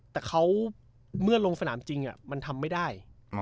แต่เขาเมื่อลงสนามจริงมันทำไม่ได้